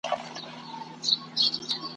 لټ د دوبي سیوری غواړي د ژمي پیتاوی `